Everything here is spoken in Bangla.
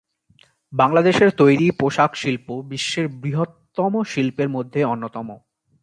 বাংলাদেশের তৈরি পোশাক শিল্প বিশ্বের বৃহত্তম শিল্পের মধ্যে অন্যতম।